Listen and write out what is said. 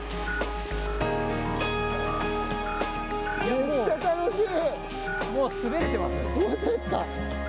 めっちゃ楽しい。